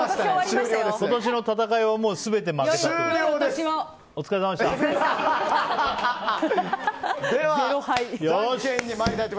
今年の戦いは全て負けたと。